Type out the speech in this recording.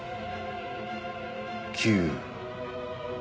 ９。